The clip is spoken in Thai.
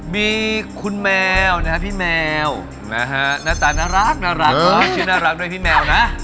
มีคุณแมวนะฮะพี่แมวนะฮะหน้าตาน่ารักชื่อน่ารักด้วยพี่แมวนะ